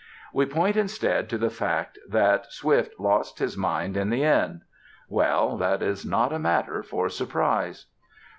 We point instead to the fact that Swift lost his mind in the end. Well, that is not a matter for surprise.